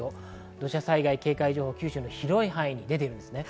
土砂災害警戒情報、九州の広い範囲に出ています。